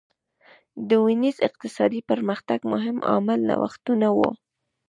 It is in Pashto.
د وینز اقتصادي پرمختګ مهم عامل نوښتونه وو